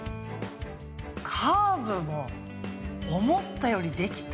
カーブも思ったよりできた。